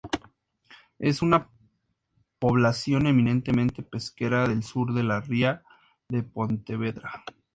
Es una población eminentemente pesquera del sur de la Ría de Pontevedra.